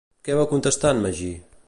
Què va contestar en Magí?